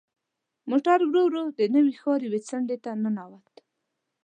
موټر ورو ورو د نوي ښار یوې څنډې ته ننوت.